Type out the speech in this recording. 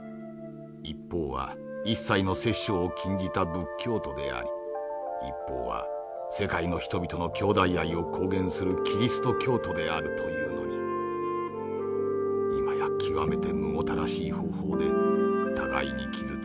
一方は一切の殺生を禁じた仏教徒であり一方は世界の人々の兄弟愛を公言するキリスト教徒であるというのに今や極めてむごたらしい方法で互いに傷つけ合い